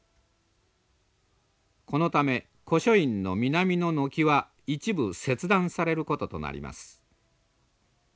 このため古書院の南の軒は一部切断されることとなります。